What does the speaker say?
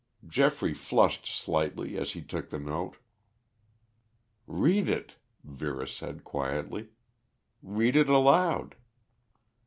Geoffrey flushed slightly as he took the note. "Read it," Vera said quietly, "read it aloud."